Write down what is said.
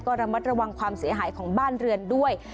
ระมัดระวังความเสียหายของบ้านเรือนด้วย